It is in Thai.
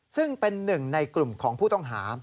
ซึ่งเป็นหนึ่งในกลุ่มของผู้ต้องหา